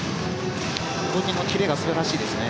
動きのキレが素晴らしいですね。